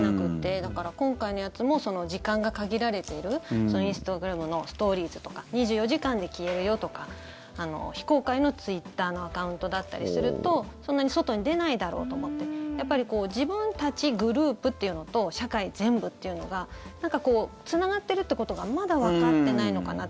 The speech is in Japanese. だから、今回のやつも時間が限られているインスタグラムのストーリーズとか２４時間で消えるよとか非公開のツイッターのアカウントだったりするとそんなに外に出ないだろうと思って自分たちグループっていうのと社会全部っていうのがなんかつながってるってことがまだわかってないのかなと。